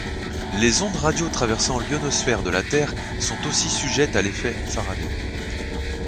Les ondes radio traversant l'ionosphère de la Terre sont aussi sujettes à l'effet Faraday.